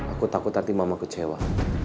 aku takut nanti mama kecewa